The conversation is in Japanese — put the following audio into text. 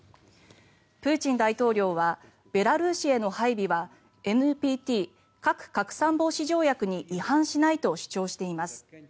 プーチン大統領はベラルーシへの配備はＮＰＴ・核拡散防止条約に違反しないと主張しています。